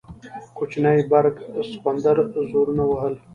کوچني برګ سخوندر زورونه وهل.